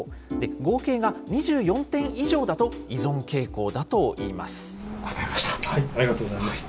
合計が２４点以上だと依存傾向だといいます。